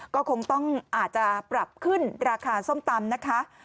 ก็คงต้องอาจจะปรับขึ้นราคาส้มตำนะคะ